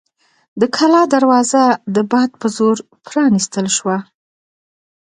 د کلا دروازه د باد په زور پرانیستل شوه.